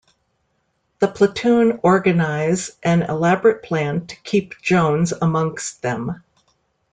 The platoon organise an elaborate plan to keep Jones amongst them.